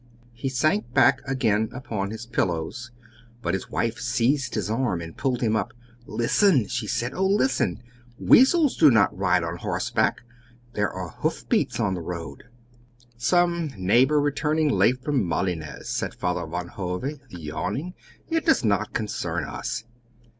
He sank back again upon his pillows, but his wife seized his arm and pulled him up. "Listen!" she said. "Oh, listen! Weasels do not ride on horseback! There are hoof beats on the road!" "Some neighbor returning late from Malines," said Father Van Hove, yawning. "It does not concern us."